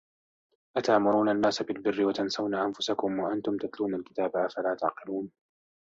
أَتَأْمُرُونَ النَّاسَ بِالْبِرِّ وَتَنْسَوْنَ أَنْفُسَكُمْ وَأَنْتُمْ تَتْلُونَ الْكِتَابَ ۚ أَفَلَا تَعْقِلُونَ